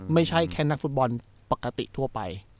ไม่ใช่แค่นักฟุตบอลปกติทั่วไป